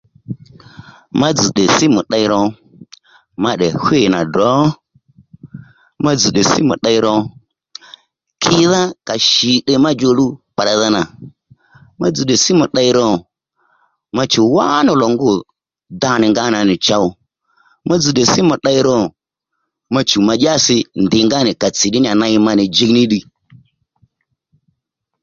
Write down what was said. Ma dzz̀ tdè símù tdey ro ma tdè hwî nà drǒ, ma dzz̀ tdè símù tdey ro kidha ka shì tdè ma djòluw pèydha nà, ma dzz̀ tdè símù tdey ro, ma chùw wá nì lò ngu da nì nga nà nì chow, ma dzz̀ tdè símù tdey ro ma chùw ma dyasi ndìnganì tsì tdè ma ddí nì ney djiy ní ddiy